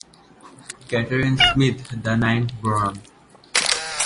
Catherine Smythe, the ninth Baron.